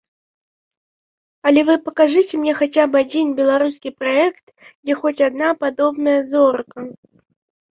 Але вы пакажыце мне хаця б адзін беларускі праект, дзе хоць адна падобная зорка.